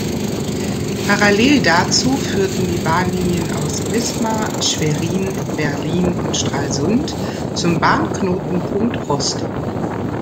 Parallel dazu führten die Bahnlinien aus Wismar, Schwerin, Berlin und Stralsund zum Bahnknotenpunkt Rostock.